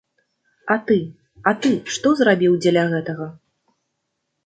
А ты, а ты што зрабіў дзеля гэтага?